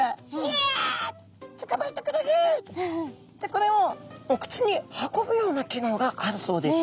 これをお口に運ぶような機能があるそうです。